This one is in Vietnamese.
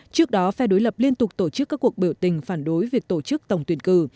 trước đó phe đối lập liên tục tổ chức các cuộc biểu tình phản đối việc tổ chức tổng tuyển cử